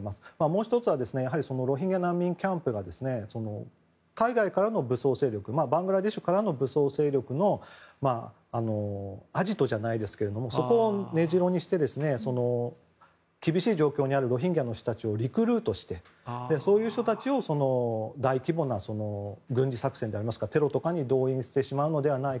もう１つはロヒンギャ難民キャンプが海外からの武装勢力やバングラデシュからの武装勢力のアジトじゃないですけれどもそこを根城にして厳しい状況にあるロヒンギャの人たちをリクルートしてそういう人たちを大規模な軍事作戦やテロとかに動員してしまうのではないか。